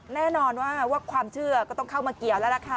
แน่นอนว่าความเชื่อก็ต้องเข้ามาเกี่ยวแล้วล่ะค่ะ